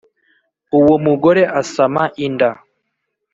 Uwo mugore asama inda